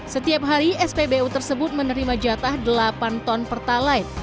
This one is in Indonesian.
setiap hari spbu tersebut menerima jatah delapan ton pertalite